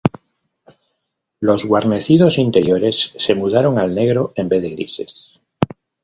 Los guarnecidos interiores se mudaron al negro en vez de grises.